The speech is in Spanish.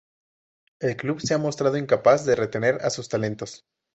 El club se ha mostrado incapaz de retener a sus talentos.